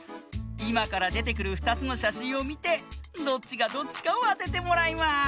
いまからでてくる２つのしゃしんをみてどっちがどっちかをあててもらいます！